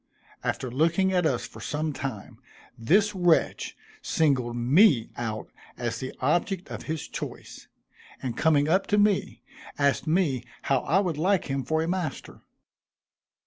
After looking at us for some time, this wretch singled me out as the object of his choice, and coming up to me, asked me how I would like him for a master.